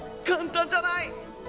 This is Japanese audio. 簡単じゃない。